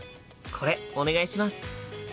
これお願いします！